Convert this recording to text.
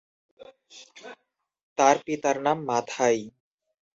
তাঁর পিতার নাম মাথাই।